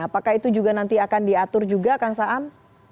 apakah itu juga nanti akan diatur juga kang saan